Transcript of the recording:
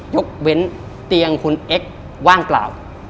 ยกเว้นเตียงคุณเอ็กซ์ว่างเปล่า